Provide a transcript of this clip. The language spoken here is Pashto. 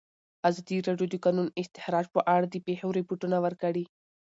ازادي راډیو د د کانونو استخراج په اړه د پېښو رپوټونه ورکړي.